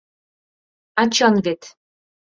— А чын вет.